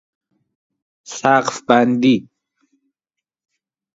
سقف بندی